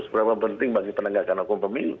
seberapa penting bagi penegakan hukum pemilu